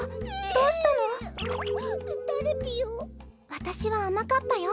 わたしはあまかっぱよ。